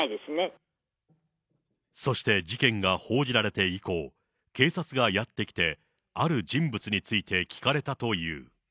そして事件が報じられて以降、警察がやって来て、ある人物について聞かれたという。